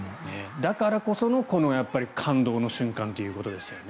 だからこその感動の瞬間ということですよね。